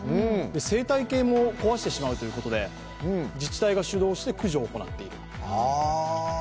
生態系も壊してしまうということで、自治体が主導して駆除を行っていると。